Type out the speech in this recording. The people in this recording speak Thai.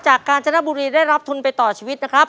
กาญจนบุรีได้รับทุนไปต่อชีวิตนะครับ